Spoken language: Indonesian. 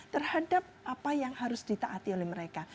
terhadap apa yang harus ditaati oleh mereka